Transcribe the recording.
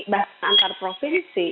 bahkan antar provinsi